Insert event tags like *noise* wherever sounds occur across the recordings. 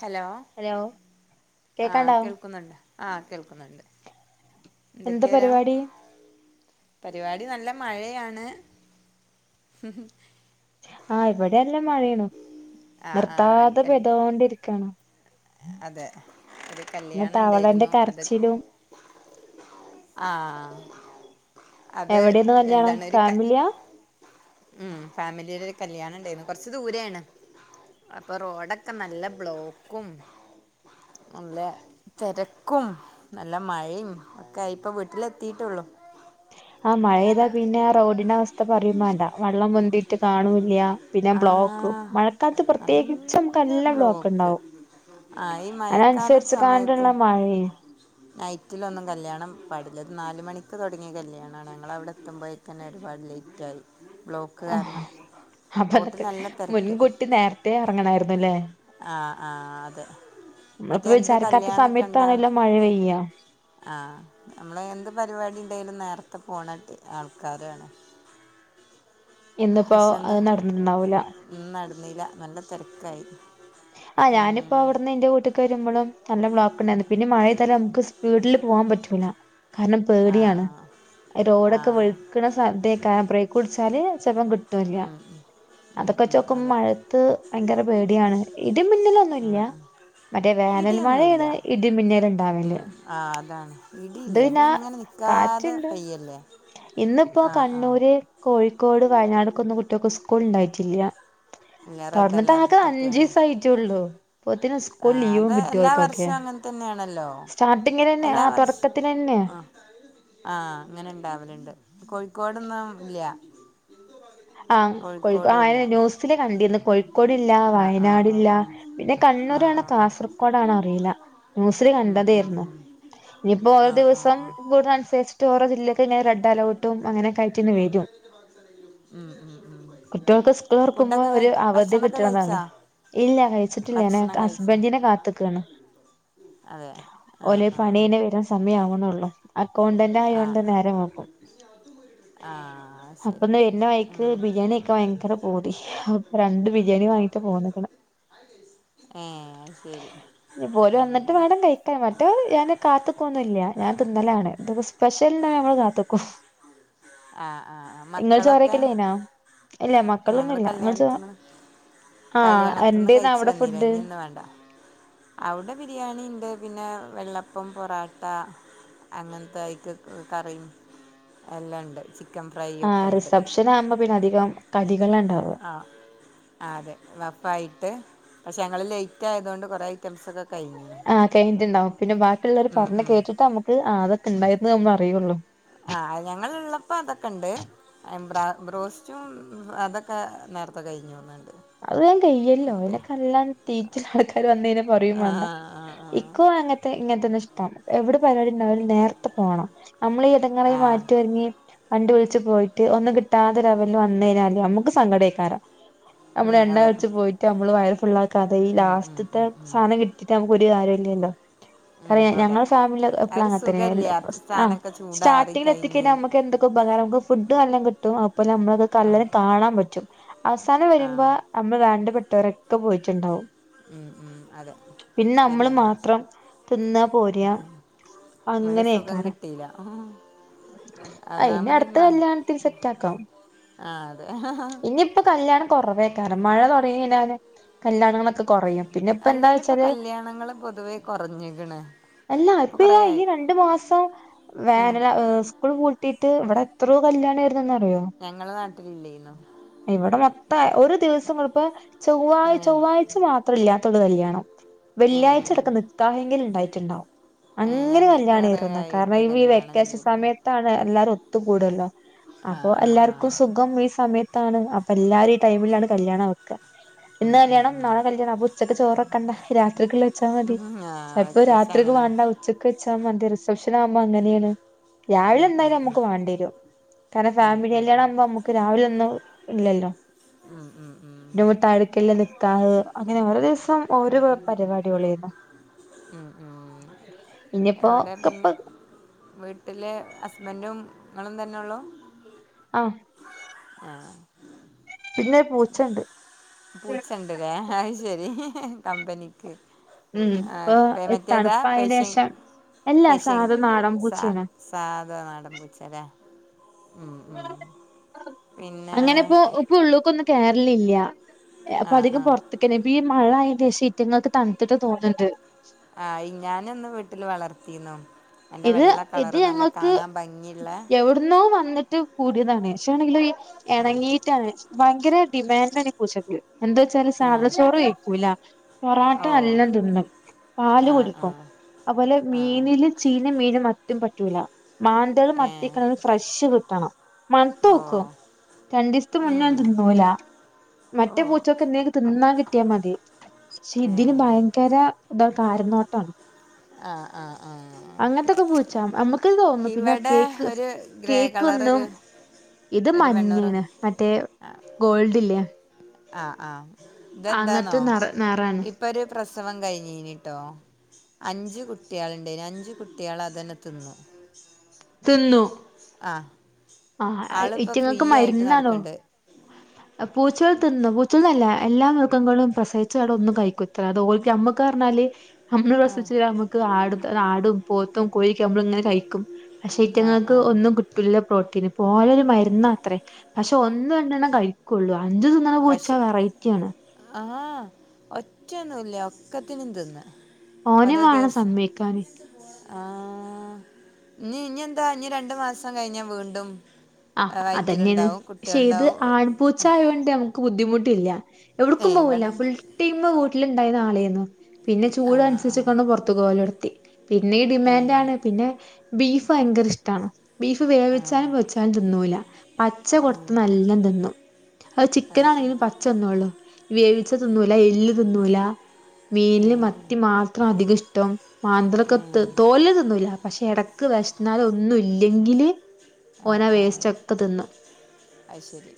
Hello hello ആഹ കേക്കാണ്ടോ കേൾക്കുന്നുണ്ട് ആ കേൾക്കുന്നുണ്ട് എന്താ എന്തൊക്കെയാരാം പരിപാടി പരിപാടി നല്ല മഴയാണ് ആഹ് ഇവിടെ എല്ലാം മഴയാണ് ആഹ് ആഹ് ഒരു നിർത്താതെ കൽ പെയ്തോണ്ടിരിക്കാണ് അതെ ഒരു പിന്നെ കല്യാണം തവളന്റെ ഇണ്ടായിരുന്നു അത്- കരച്ചിലും ആഹ് - എവിടെയാണ് കല്ല്യാണം ഫാമിലിയാ- ഉം ഫാമിലിയുടെ ഒരു കല്യാണം ഉണ്ടായിരുന്നു കൊറച്ചു ദൂരെയാണ് അപ്പൊ റോഡൊക്കെ നല്ല ബ്ലോക്കും നല്ല തെരക്കും നല്ല മഴയും ഒക്കെയിപ്പൊ വീട്ടിലെത്തീട്ടുള്ളു- ആ മഴെയ്താ പിന്നെ റോഡിന്റെ അവസ്ഥ പറയും വേണ്ടാ വെള്ളം പൊന്തിട്ട് കാണൂല്ല്യ- ആ നമുക്ക് നല്ല നല്ല ബ്ലോക്ക് ഉണ്ടാവും ആ ഈ മഴക്കാല അതിനനുസരിച്ച് സമയത്ത് കാണ്ടുള്ള മഴയും നൈറ്റിലൊന്നും കല്യാണം- പടലത് നാല് മണിക്ക് തുടങ്ങിയ കല്ല്യാണമാണ് ഞങ്ങൾ അവിടെ എത്തുമ്പോഴേക്ക് തന്നെ ഒരുപാട് ലേറ്റ് ആയി- ബ്ളോക്ക് കാരണം- റോട്ടിൽ എന്നിട്ട് നല്ല തിരക്ക് മുൻകൂട്ടി നേരത്തേ എറങ്ങണായിരുന്നല്ലേ- ആ ആ അതെ മറ്റേ എന്ത് വിചാരിക്കാത്ത കല്യാണൊക്കെ ഇണ്ടാ സമയത്താണല്ലോ മഴ പെയ്യ ആ നമ്മള് എന്ത് പരിപാടി ഇണ്ടേലും- നേരത്തെ പോണെട്ട ആൾക്കാരാണ്- ഇന്നിപ്പോ അത് നടന്ന്ണ്ടാവൂല- റീല്ല നല്ല തെരക്കായി- ആ ഞാനിപ്പോ അവിടുന്ന് എന്റെ വീട്ട്ക്ക് വരുമ്പളും നല്ല ബ്ലോക്ക് ഇണ്ടായിരുന്നു പിന്നെ മഴ പെയ്താലും നമുക്ക് സ്പീഡില് പോവാൻ പറ്റൂല്ല- കാരണം ആ പേടിയാണ് ആ ആ റോഡൊക്കെ വെഴുക്കണ സാ തെ ആക്കാണം ബ്രേക്ക് പിടിച്ചാല് ചെലപ്പം കിട്ടൂല്ല ഉം ഉം. ഉം അതൊക്കെ ഉം നോക്കുമ്പോ അതെ മഴത്ത് ഭയങ്കര പേടിയാണ്- ഉം ഇടിമിന്നലൊന്നുമല്ല ഉം മറ്റേ വേനൽ ഇടിയൊന്നുമില്ല മഴയാണ് ഇടിമിന്നല ഉണ്ടാവല് ഉം ആ അതാണ് ഇത് ഇടിയില്ല പിന്ന അത് ഇങ്ങനെ കാറ്റ് നിൽക്കാതെ ഇണ്ട് പെയ്യല്ലേ ഇന്നിപ്പോ ആ ആ കണ്ണൂര് കോഴി ക്കോട് വയനാട്ക്കൊ കുട്ടികൾക്ക് സ്കൂൾ ഉണ്ടായിട്ടില്ല. പിന്ന റെഡ് തൊറന്നിട്ട് ആകെ അലർട്ടെക്കെയാണ്. അഞ്ചീസായിട്ടൊള്ളൂ അപ്പോത്തിന് ആ സ്കൂൾ അത് ലീവും കിട്ടി എല്ലാ ഓൽക്കൊക്കെ വർഷവും അങ്ങനെ തന്നെയാണല്ലോ സ്റ്റാർട്ടിങ്ങിലെന്നെ എല്ലാ ആ വർഷ തൊടക്കത്തിലെന്നെ ആ അങ്ങനെ ഇണ്ടാവലുണ്ട് കൊ കോടൊന്നും ഇല്ല്യ. ആഹ് കൊഴിക്കെ ന്യൂസില്കണ്ടിന്ന് കോഴി ക്കോട് ഇല്ല, ആ ആ ആ വയനാടില്ല, ആ പിന്നെ ആ കണ്ണൂരാണ് ആ ആ കാസർകോഡാണ അറിയില്ല ന്യൂസില് ഉം ഉം കണ്ടതായിരുന്നു ഉം ഇനിയിപ്പോ ഓരോ ആ ആ ദിവസം ആ കൂടനുസരിച്ചിട്ട് ഓരോ ജില്ല പിന്നെ റെഡ്ലർട്ടും അങ്ങനൊക്കെ ആയ്ട്ടന്ന വരും ഉം ഉം ഉം കുട്ടികൾക്ക് സ്കൂൾ തൊർക്കുമ്പോ ഫുഡൊക്കെ ഒരു കഴി അവധി ഭക്ഷണൊക്കെ കഴിച്ചാ കിട്ടണംമന്നാണ് ഇല്ല കഴിച്ചിട്ടില്ല ഞാൻ ഭക്ഷണം കഴിച്ചാ ഹസ്ബൻഡിനെ കാത്തക്കാണ്. അതെ ആഹ് ഓല ആഹ് പണികഴിഞ്ഞ് വരുന്ന സ മയാവണുള്ളു. അക്കൗണ്ടന്റ് ആയോണ്ട് ആഹ് നേരെ നോക്കും ആഹ് അത് ശരി അപ്പൊന്ന്ന്നെ വരുന്ന വഴി ഉം ബിരിയാണി ഒക്കെ ഭയങ്കര പൂതി അപ്പൊ രണ്ട് ബിരിയാണി വാങ്ങിട്ട് പോന്ന്ക്ക്ണ്. ഏഹ് അത് ശരി ഇനിപ്പോ ഓൽ ഉം വന്നിട്ട് വേണം കഴിക്കൻ മറ്റേ ഞാന് കാത്ത് ക്കൊന്നുല്ല ഞാൻ തിന്നലാണ് സ്പെഷ്യല നമ്മള് കാത്ത്ക്കും ആഹ് ആഹ് മക്കളൊക്കെ *unintelligible* ഇല്ല മക്കളൊന്നും ഞങ്ങള് ഇല്ല ഇങ്ങള് കല്യാണത്തിന് ആഹ് കല്യാണത്തിന്ന് എന്താരുന്നു കഴിച്ചു അവിടെ വന്നീലെ ഫുഡ് ഇനി ഇന്ന് വേണ്ട അവിടെ ബിരിയാണി ഉണ്ട് പിന്നെ വെള്ളപ്പം, പൊറോട്ട അങ്ങനെത്തെ ഐറ്റ് കറിയും എല്ലാം ഉണ്ട് ചിക്കൻ ഫ്രൈ ആ ഒക്കെ ഉണ്ട് റിസപ്ഷൻ ആകുമ്പോ പിന്നെ അധികം ക ആ അതെ വപ്പായായിട്ട് പക്ഷെ ഞങ്ങള് ലേറ്റ് ആയതുകൊണ്ട് കുറെ ഐറ്റംസ് ഒക്കെ ആഹ് കഴിഞ്ഞിട്ടുണ്ടാവും പിന്നെ ബാക്കിയുള്ളവര് ഉം, പറഞ്ഞ് ഉം. കേട്ടിട്ട് നമുക്ക് അത് ഉണ്ടായിന്ന് നമ്മള് അറിവൊള്ളൂ ആ ഞങ്ങള് ഉള്ളപ്പോ അതൊക്കെ ഉണ്ട് ബ്രാ ബ്രോസ്റ്റും അതൊക്കെ നേരത്തെ കഴിഞ്ഞുന്നു തോന്നുന്നുണ്ട് അത് വേഗം കഴിയല്ലോ കിട്ടിയ എന്നക് അല്ലാ തീച്ചാൽ *unintelligible* അവരു വന്നുകഴിഞ്ഞാൽ പറയുകേം ആ വേണ്ട ആ ആ എകും അങ്ങനാത്തെ ഇങ്ങനത്തെ പി എവിടെ പരുപാടിയുണ്ടായാലും നേരത്തെ പോണം നമ്മള് ഇതുങ്ങളെ ആ മാറ്റി ഒരുങ്ങി വണ്ടി വിളിച്ച് പോയിട്ട് ഒന്നുംകിട്ടാതെ റവലിൽ വന്നുകഴിഞ്ഞല് നമ്മൾക്ക് സങ്കടയികറാ നമ്മള് ഉം, എണ്ണം അതെ വെച്ച് പോയിട്ട് നമ്മള് വയറ് ഫുള്ളാക്കാതെ ഈ ഉം, ഉം, ലാസ്റ്റത്തെ ഉം, ഉം. സാനം കിട്ടിട്ടാണ് പോ തി ആരുല്ലല്ലോ ഉം, അതെയ് അതെ ഞങ്ങള ഫാമിലി ആ എപ്പളും ഒരു അങ്ങത്തന്നെ എല്ലു സുഖമില്ല വ സ്റ്റാ ആ സാധനമൊക്കെ ചൂടാറി സ്റ്റാർട്ടിങ്ങില് കഴിഞ്ഞ് എത്തിക്കഴിഞ്ഞാൽ നമ്മക്ക് എന്തൊക്കെ ഉപകാരം നമ്മക്ക് ഫുഡ് നല്ലോം കിട്ടും അപ്പ നമ്മകൊക്കെ ആ എല്ലാരെയും കാണാ പറ്റും അവസ ആ വാ അന്ന് രണ്ട് പെ കൂട്ടാരൊക്കെ പോയിട്ട്ണ്ടാവും ഉം ഉം അതെ നമ്മള് ശരിയാണ് മാത്രം തിന്നാ ഉം പോരാ ഉം നല്ല സുഖം അങ്ങനെയ്ക്കാരം കിട്ടീല്ല അയ് ഇനി ഒന്നാമതി അടുത്ത മ കല്യാണത്തിന് സെറ്റ് ആക്കാം ആ അതെ ഇനിയിപ്പ കല്യാണം കൊറവേക്കാരം മഴ തൊടങ്ങി കഴിഞ്ഞാല് കല്യാണങ്ങളൊക്കെ കൊറയും പിന്നെ ഇപ്പന്താ അല്ലേലും ഇപ്പൊ വച്ചാല് കല്യാണങ്ങള് പൊതുവേ കുറഞ്ഞിക്കണ് അല്ല ഇപ്പൊ കൊറേ ഇപ്പതാ ഈ ആയി രണ്ട് മാസം ആ വേനലാ സ്കൂൾ പൂ ട്ടിട്ട് ഇവിടെ എത്രയോ കല്യാണേ ഇതെന്നാറിയൊ ഞങ്ങളെ നാട്ടിലില്ലേന്നു ഇവിടെ മൊ പ്പെ ഒരു ദിവസം *unintelligible* ചൊവ്വാഴ് ഏ ചൊവ്വാഴ്ച മാത്രല്ല തൊടു കല്ല്യാണം ഏ വെള്ളിയാഴ്ച അടക്കം നിക്കാഹങ്കിൽ ഇ ണ്ടായി ട്ടുണ്ടാവും ഏ അങ്ങനെ ഞങ്ങക്ക് കല്യാണ് കൊറേ റുന്നത് കാരണം ആയിട്ട് ഈ വി കല്യാണം വെക്കേഷൻ ചെയ്തിണ് സമയത്താണ് എല്ലാരും ട്ട് ബൂടല്ലോ ആ അപ്പൊ ആ ആ എല്ലാവർക്കും സുഖം ഈ സമയ ത്താണ് അപ്പ എല്ലാരും ടൈമിലാണ് കല്യാണം വക്ക ഇന്ന് ഉം ഉം കല്യാണം നാളെ കല്യാണം അപ്പൊ ഉച്ചക്ക് ചോറോ കണ്ട രാത്രിക്ക്ള്ള ച്ചാ മതി ഉം ഉം ആ ചപ്പോ വെക്കേഷൻ രാത്രിക്ക് അങ്ങനെ വേണ്ട ഉച്ചക്ക് വച്ചാ മ റിസപ്ഷൻ ആകുമ്പോ അങ്ങനെണ് രാവിലെ ഉം ഉം എന്തായാലും നമുക്ക് വേണ്ടി വരും കാരണം ഉം ഫാമിലി ഉം ഉം കല്യാണം ആവുമ്പോ നമുക്ക് രാവിലെ ഒന്നും ഇല്ലല്ലോ ഉം ഉം നമ്മ താഴേക്കെല്ലാം. നിക്കാഹ് അങ്ങനെ ഓരോ ദിവസം ഓരോ പരിപാടികളേർന്ന്. ഉം ഉം എവിടെ പിന്നെ വീട്ടിലെ ഹസ്ബൻ്റും ഇങ്ങളും ത ന്നള്ളൂ. ആഹ്. ആഹ്. പിന്നെ പൂച്ചണ്ട്. പൂച്ചണ്ട്ലേ അത് ശരി കമ്പനി കെ. ഉം ഇപ്പൊ തണുപ്പായേന് പേഷ്യൻ ശേഷം എല്ലാ പേഷ്യൻ സാധ നാടൻ സാ പൂച്ചാണ്. സാധാ നാടൻ പൂച്ചല്ലേ ഉം ഉം പിന്നെ അങ്ങനെ ഇപ്പൊ ഇപ്പൊ ഉള്ളൂക് കേറലില്ല. ആ അപ്പൊ ആ അധികം പുറത്തുക്കന്നെ *unintelligible* മഴ ആയിന്റെശേ ഈറ്റങ്ങൾക്ക് തണുത്തിട്ട് തോന്ന്ണ്ട്. ആഹ് ഞാനൊന്ന് വീട്ടില് വളർതീന്നു. ഇത് ഇത് ഞങ്ങൾക്ക് ഭംഗിയുള്ള എവിടുന്നോ വന്നി ട്ട് കൂടിയതാണ് ക്ഷെ ആണെങ്കിലൊ ഇ എണങ്ങീട്ടാണ് ഭയങ്കര ഡിമാന്റ് ആണ് ഈ പൂച്ചക്ക്. എന്താ വെച്ചാല് ആ സാധ ചോറ് വെയ്ക്കൂല പൊറാട്ട ഓ നല്ലം തിന്നും പാല് ആ ആ കുടിക്കും അത്പോലെ ആ മീനില് ചീഞ്ഞ മീനും മറ്റും പറ്റൂലാ മാന്തളും ഏ മത്തിക്കിണും ഫ്രഷ് കി ത്തണം ഓ മണത്തോക്കും രണ്ടിസ്ത്തെ ഉം മുന്നേണ് തിന്നൂല ഓ മറ്റേ പൂച്ചൊക്കെ എന്തേല് തിന്നാൻ കി ട്ട്യ മതി പക്ഷെ ഏ ഇതിന് ഭയങ്കര *unintelligible* ന്നോട്ടാണ് ആ ആ ആ അങ്ങനത്തൊക്കെ പൂച്ചാ നമ്മക്ക് തോന്നു പിന്നെ ഇവിടെ കേക്ക് ഒരു ഗ്രേ കേക്ക് കളറൊരു ഒരു ന്നും ഇത് ഒരു വെണ്ണൂറ് മഞ്ഞാണ് മറ്റേ ആ ഗോൾഡ് ഇല്ലേ ആ ആ ഇതെന്താന്നോ അങ്ങനത്തെ നിറ നിറാണ് ഇപ്പൊ ഒരു പ്രസവം കഴിഞ്ഞീനി ട്ടോ അഞ്ച് കുട്ട്യാളുണ്ടയ്ന് അഞ്ച് കുട്ട്യാളെ അതന്നെ തിന്നു തിന്നു ആ ആഹ് ആളിപ്പോൾ ഫ്രീ ഇറ്റിങ്ങൾക്ക് ആയിട്ട് മരുന്നാലോ നടക്കുന്നുണ്ട് പൂച്ചോൾ തിനു പൂച്ചേൾന്നല്ല എല്ലാ മൃഗങ്ങളും പ്രസവിച്ചടെ ഒന്നു കയികുത്ര അതോൽക് നമ്മക്കറഞ്ഞാല് നമ്മള് പ്രസവിച്ചാ നമുക്ക് ആടും ആടും പോത്തും കോഴൊക്കെ നമ്മള ഇങ്ങനെ കഴിക്കും ആ പക്ഷൈറ്റങ്ങൾക്ക് ആ ഒന്നും കിട്ടുല്ലൊ *unintelligible* പോലൊരു മരുന്നാത്രേ പക്ഷെ ഒന്ന് കണ്ടെണ്ണം കഴിക്കുള്ളു അഞ്ചു തിന്നണ പൂച്ച വെറൈറ്റി ആണ് ആഹ് ഒറ്റന്നുല്ല ഒക്കത്തിനും തിന്ന് ഓനെ വേണം സമ്മതി ക്കാന് ആഹ് ഇനി ഇനി എന്താ ഇനി രണ്ട് മാസം കഴിഞ്ഞാൽ വീണ്ടും ആഹ് അതന്നെയാണ് വയറ്റിലുണ്ടാവും പക്ഷേ ഇത് കുട്ടികളുണ്ടാവും ആൺപൂച്ച ആയൊണ്ട് നമുക്ക് ബു ദ്ധിമുട്ടില്ല ഏ എവിടക്കും പോവില്ല ഇവിടെ ഉണ്ട് ഫുൾ ടൈം വീട്ടിലുണ്ടായിരുന്ന ആളെയ്ന്നു പിന്നെ ആ ചൂട് അനുസരിച്ച കൊ ഒന്ന് ആ പൊറത്ത്ക്പോവലൊ *unintelligible* പിനയും ഏ ഡിമാന്റാണ് പിന്നെ ബീഫ് ഭയങ്കര ഇഷ്ടാണ് ബീഫ് ആ വേവിച്ചാലും ച്ച തിന്നൂല്ല പച്ച ഉം. കൊടുത്ത് എല്ലാം തിന്നു അത് ചിക്കനാണെങ്കും പച്ച തിന്നോളും വേവിച്ച തിന്നൂല എല്ല് തിന്നൂല ഏ മീൻല് മത്തി മാത്രം അധികം ഇഷ്ടം മാന്തളൊക്കെ ഏ ത് തോല് ത്‌ന്നൂലാ പഷെ എടക്ക് വെശ്ന്നാല് ഒന്നും ഇല്ലെങ്കില് ആ ആ ഓനാവേസ്റ്റാെക്കെ തിന്നും അത് ശരി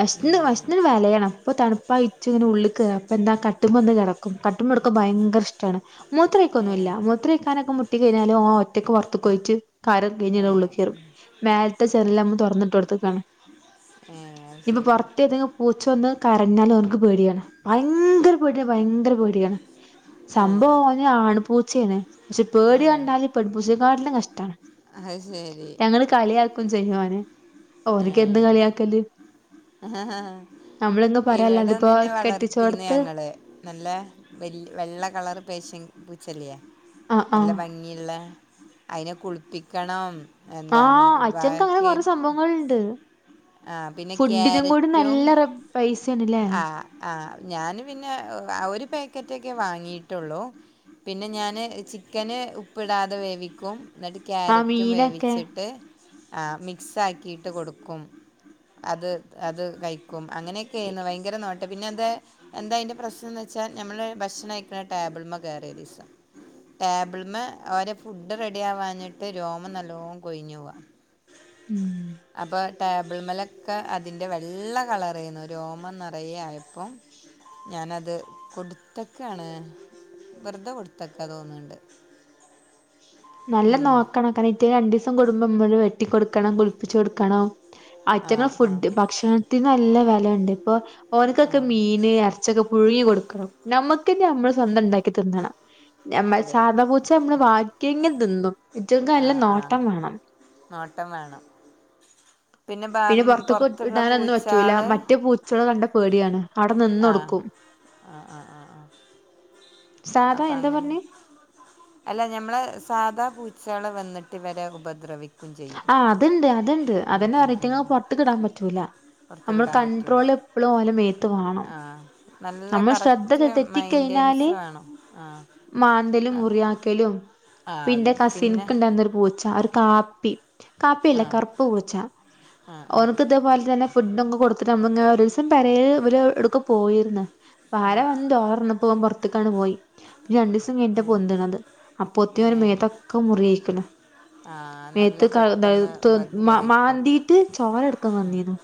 വെഷ്ന്ന് ഉം. വഷ്ന്ന് വലയണം പ്പൊ തണ്പ്പായിട്ട് ന് ഉള്ള്ക്ക് കേറാ അപ്പെന്താ കട്ട്മ്മന്ന് കെട ക്കും കട്ടമ്മട്ക്കാ ഭയങ്കര ഇഷ്ടാണ് ഏ മൂത്രയ്ക്കൊന്നുല്ല മുത്രയ്ക്കാനൊക്കെ മു ട്ടി കയ്ഞ്ഞാല് ഓ ഒറ്റക്ക് പൊർത്ത്ക്കോയ്റ്റ് കാര്യം കയ്ഞ്ഞതാ ഏ ഉള്ള്ക്കേറും ഉം. മേൽത്തെ അത് ചെർല് അമ്മ ശ- തൊറ്ന്ന്ട്ടാെട്ത്ത്ക്കാണ് ഏ അത് ഇനിപ്പം ശരി പൊർത്തേതെങ്കി പൂച്ച വന്ന് കരഞ്ഞാലും ക്ക് പേടിയാണ് ഭയങ്കര പേട്യ ഭയങ്കര പേട്യാണ് ഏ സംഭവം ഓനെ ആണ് പൂച്ചയാണ് പക്ഷെ പേടി കണ്ടാല് പെൺ പൂച്ചക്കാട്ടി ലും കഷ്ടാണ് അയ് ശെരി ക്കും ചെയ്യെ ഓനെ ഓ അതൊക്കെ എന്ത് കളിയാക്കല് നമ്മളെങ്ങ് ഇവടെ പറയാല്ലാതിപ്പോ ഒന്നിനെ വളർത്തീന്ന് കെട്ടിച്ചോട്ത്ത് ഞങ്ങള് നല്ല വെല് വെള്ള കളർ പേശ്യൻ പൂ ചെല്ലിയെ ആഹ് നല്ല ആഹ് ഭംഗിയ്ള്ള അയ്നെ കുൾ പിക്കണം ആഹ് അച്ഛൻക്ക് അങ്ങനെ കൊറെ സംഭവങ്ങൾണ്ട് ആഹ് പിന്നെ ക്യാരറ്റും പൈസേണ്ല്ലേ അഹ് ആഹ് ഞൻ പിന്നെ ഒര് പേക്. പാക്കറ്റൊക്കെ വാങ്ങിയിട്ടൊള്ളൂ പിന്നെ ഞാൻ ചിക്കന് ഉപ്പിടാതെ വേവിക്കും എന്നിട്ട് ആ ക്യാരറ്റും മീനൊക്കെ വേവിച്ചിട്ട് ആഹ് മിക്സ് ആക്കീട്ട് കൊടുക്കും അത് അത് കഴിക്കും അങ്ങനെക്കേന്ന് ഭയങ്കര പിന്നെ അന്ത് എന്താ അയ്ന്റെ പ്രശ്നം എന്ന് വെച്ചാൽ നമ്മള് ഭക്ഷണം കഴിക്ക്ണ ടാബിള്മ്മ തേറല് ല്ലഓരെ ടേബിളിമ്മ ഓരെ ഫുഡ് റെഡിയ ആവാഞ്ഞിട്ട് രോമ നല്ലോണം കൊഴിഞ്ഞു പോവാ ഉം അപ്പൊ ടെബിൾമലൊക്കെ അതിൻ്റെ വെള്ള കളരേര്ന്നു. രോമം നിറയെ ആയപ്പം ഞാനത് കൊടുത്തക്കാണ് വെറ്തെ കൊടുത്തക്കാ തോന്ന്ണ്ട് നല്ല നോക്കണം കാര്ണം ഇറ്റേ രണ്ട് കൊടുമ്പോ *unintelligible* മ്മള് വെട്ടി കൊടുക്കണം കുളിപ്പിച്ചച്ച് കൊടുക്കണം അറ്റ ആ *unintelligible* ങ്ങള് ആ ഫുഡ് ഭക്ഷണത്തിന് നല്ല വെലയുണ്ട് ഇപ്പൊ ആ ഓനക്കൊക്കെ മീന് ഇറച്ചക്കെ പുഴുങ്ങി കൊടുക്കണം നമ്മുക്ക്ന്ന നമ്മക്ക് സ്വന്തം ഉണ്ടാക്കി തിന്നണം നമ്മൾ അതെ സാദാ പൂച്ച നമ്മള് വാ എങ്ങെ തിന്നും ഇറ്റക്ക് ആ നല്ല ആ നോട്ടം വേണം നോട്ടം വേണം ബാ- പിന്നെ ഉം, പുറത്തൊക്ക് പുറത്തുള്ള ഇടാനൊന്നും പറ്റൂല പൂച്ചാള് മറ്റേ പൂചേള് കണ്ട പേടിയാണ് അവിടെ ആഹ് നിന്നൊടുക്കും അ അ അ സാധാ അപ്പൊ എന്താ അങ്ങനെ പറഞ്ഞേ അല്ല ഞമ്മളെ സാധാ പൂ ചള വന്നിട്ട് വരെഉപദ്രവിക്കും ആ അത്ണ്ട് അത്ണ്ട് ഉം, ഉം. അതെന്നെ പുറത്ക്ക് കിടാൻ പറ്റൂല പുറത്തേക്ക് നമ്മള് ഇടാൻ പറ്റൂല കൺണ്ട്രോൾ എപ്പളും ഓലെ മേത്ത് വേണം ആ നല്ല കറക്റ്റ് മൈൻന്റനൻസ് വേണം ആ മാന്തലും നൽ മുറിയാക്കലും ആ പിന്നെ അതെ കസിനിക്കണ്ട *unintelligible* രു പൂച്ച ആഹ് ഒരു കാപ്പി കാപ്പി അല്ല ആ കറുപ്പ് പൂച്ച ആ ആ ഓനക്ക് തെ പോലെ തന്നെ ഫുഡ് കൊടുത്തിട്ട് നമ്മെ ഒരു ദിവസം പെരേഇവര് എടുക്കൊ പോയിരുന്ന് വാര വെന്തൊ അഹറ്ഞ്ഞപ്പോൻ പറ അത്ക്ക് *unintelligible* പോയി പിന്നെ രണ്ടീസം കഴിട്ട ഏ പൊന്ത്ണത് അപ്പോത്തിനും ഏ ഓന്റെ മേതൊക്കെ മുറിയിയിക്ക്ണ് ആ നല്ല മേത്ത് ക പെട്ടെന്ന് *unintelligible* ഉപദ്രവിക്കും മാന്തിട്ട് ചോര അടക്കം വന്നിരു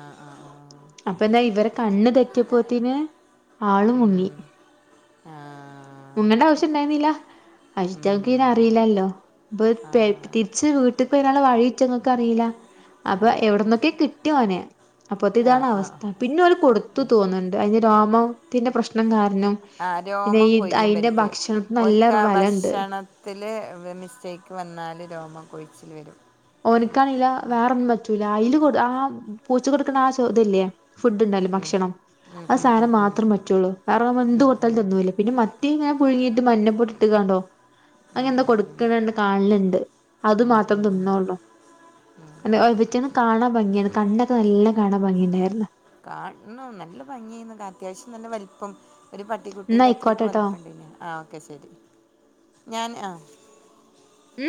ആഹ് ആഹ് ആഹ അപ്പൊ എന്താ ഇവരെ കണ്ണ് തെറ്റിയപ്പോത്തിന് ആള് ഉം. മുങ്ങി ആ മുങ്ങണ്ട ആവശ്യം ഇണ്ടായിരുന്നില്ല അസ്റ്റ്ക്ക് ഇന ഉം. അറിയില്ലല്ലോ ബ് ആ പെയ് തിരിച്ച് വീട്ട് ഇതി *unintelligible* വഴി ഇറ്റങ്ങക്ക റിയില്ല അപ്പൊ അതെ എവിടന്നൊക്കെ കിട്ടി ഓനെ അപ്പൊ ആ ഇതാണ് ആ അവസ്ഥ പിന്നെ ഓല് കൊടുത്തു തോന്നുന്നുണ്ട് അ- രോമം ത്തിന്റെ പ്രശ്നം കാരണം ആ പിന്നെ രോമം ഈ കൊയ്യും അയിന്റെ ഇവർക്ക് ഭക്ഷണത്തിന് നല്ല ഓർക്ക് ആ വെലണ്ട് ഭക്ഷണത്തിൽ മിസ്റ്റേക്ക് വന്നാൽ രോമം കൊഴിച്ചിൽ വരും ഓനക്കാണേല *unintelligible* വേറെൊന്നും പറ്റൂല അയ്ല് കൊ ആ പൂച്ച കൊടുക്ക്ണ ആ ഇതല്ലേ ഫുഡ്ഡ് ഉണ്ടല്ലോ ഉം. ഭക്ഷണം ഉം ആ ഉം ഉം സാനം ഉം മാത്രം പറ്റുള്ളൂ വേറെ എന്ത് ഉം കൊടുത്താലും ഉം തിന്നൂല്ല പിന്നെ- *unintelligible* പീങ്ങ പുഴങ്ങിട്ട് മഞ്ഞപ്പൊടി ഇട്ട്ക്കാണ്ടോ ഉം അങ്ങെന്തൊ ഉം കൊടുക്കണണ്ട് കാണ്ല്ണ്ട് അത് ഉം മാത്രം ഉം ഉം. തിന്നൊ ആ എന്തൊ ഓ തിന്റെനെ കാണ ഭംഗി യേത് കണ്ണൊക്കെ നല്ല കാണാൻ ഭംഗിണ്ടേര്ന്നു കാണണം നല്ല ഭംഗിയേന്നു ക അത്യാവശ്യം നല്ല വല്പ്പം ഒരു എന്നാ പട്ടിക്കുട്ടീൻ്റെ അത്രക്ക് ആയിക്കോട്ടെട്ടോ വലിപ്പണ്ടേന്ന് ആ ഓക്കെ ശരി ഞാൻ ആ ഉം